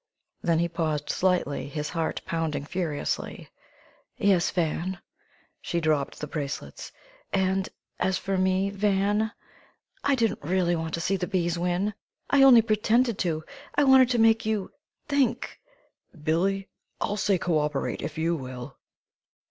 Then he paused slightly, his heart pounding furiously. "Yes Van." She dropped the bracelets. "And as for me Van, I didn't really want to see the bees win! I only pretended to I wanted to make you think!" "Billie! I'll say 'cooperate' if you will!"